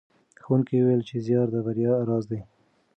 ښوونکي وویل چې زیار د بریا راز دی.